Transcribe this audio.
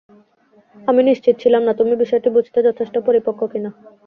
আমি নিশ্চিত ছিলাম না, তুমি বিষয়টি বুঝতে যথেষ্ট পরিপক্ক কিনা?